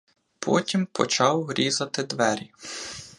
Потім почав різати двері.